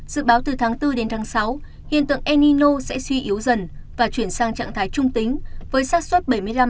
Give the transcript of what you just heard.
dự báo từ tháng bốn sáu hiện tượng enino sẽ suy yếu dần và chuyển sang trạng thái trung tính với sát xuất bảy mươi năm tám mươi